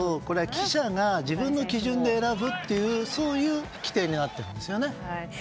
記者が自分の基準で選ぶという規定になっているんですよね。